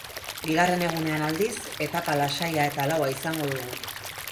Bigarren egunean, aldiz, etapa lasaia eta laua izango dugu.